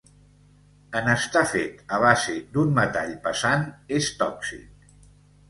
En estar fet a base d'un metall pesant, és tòxic.